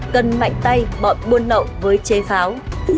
cần mạnh tay bọn buôn lậu với chế pháo